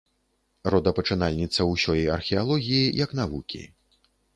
Родапачынальніца ўсёй археалогіі як навукі.